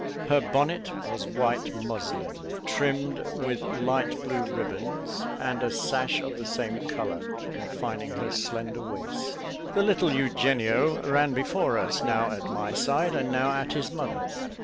Her bonnet was white muslin, trimmed with light blue ribbons, and a sash of the same colour confined her slender waist. The little Eugenio ran before us, now at my side, and now at his mother's.